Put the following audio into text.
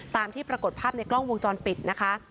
ตามที่ปรากฏภาพในกล้องวงจรปิดนะคะ